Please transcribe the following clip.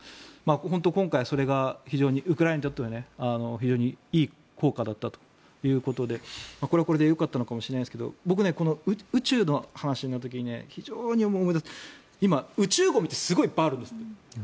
本当、今回それがウクライナにとっては非常にいい効果だったということでこれはこれでよかったのかもしれないですが僕、宇宙の話になる時に非常に思い出すのは今、宇宙ゴミっていっぱいあるんです。